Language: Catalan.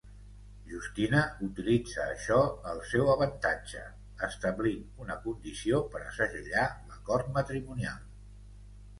Justina utilitzar això al seu avantatge, establint una condició per a segellar l'acord matrimonial.